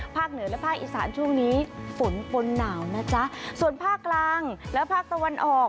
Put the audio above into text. เหนือและภาคอีสานช่วงนี้ฝนปนหนาวนะจ๊ะส่วนภาคกลางและภาคตะวันออก